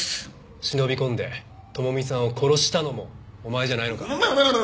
忍び込んで智美さんを殺したのもお前じゃないのか？